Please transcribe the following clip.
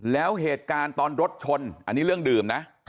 แล้วเหตุการณ์ตอนรถชนอันนี้เรื่องดื่มนะ